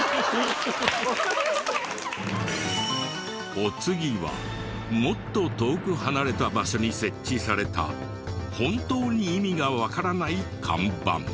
お次はもっと遠く離れた場所に設置された本当に意味がわからない看板。